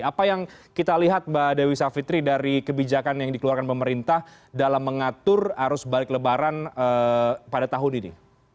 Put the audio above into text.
apa yang kita lihat mbak dewi savitri dari kebijakan yang dikeluarkan pemerintah dalam mengatur arus balik lebaran pada tahun ini